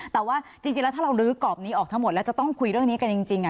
แต่ว่าจริงแล้วถ้าเราลื้อกรอบนี้ออกทั้งหมดแล้วจะต้องคุยเรื่องนี้กันจริง